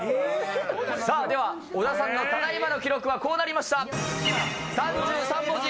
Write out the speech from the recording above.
では小田さんのただ今の記録はこうなりました。